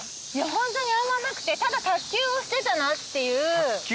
ホントにあんまなくてただ卓球をしてたなっていう。